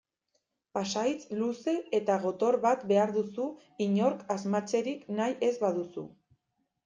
Pasahitz luze eta gotor bat behar duzu inork asmatzerik nahi ez baduzu.